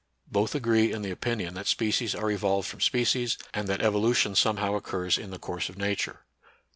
Both agree in the opinion that species are evolved from species, and that evolution somehow occurs in the course of Nature.